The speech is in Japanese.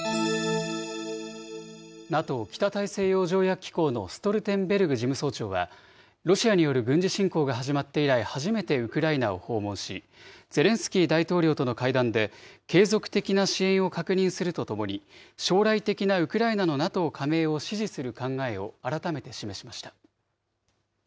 ＮＡＴＯ・北大西洋条約機構のストルテンベルグ事務総長はロシアによる軍事侵攻が始まって以来、初めてウクライナを訪問し、ゼレンスキー大統領との会談で、継続的な支援を確認するとともに、将来的なウクライナのＮＡＴＯ加盟を支持する考えを改めて示しました。